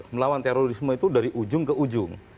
melawan terorisme itu dari ujung ke ujung